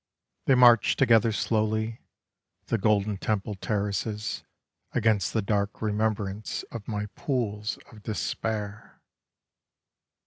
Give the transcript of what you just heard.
They march together slowly, The golden temple terraces, Against the dark remembrance Of my pools of despair.